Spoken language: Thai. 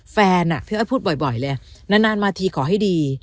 แฟนอ่ะเพราะว่าพูดบ่อยเลยอ่ะนานมาทีขอให้ดี